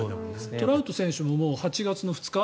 トラウト選手も８月２日。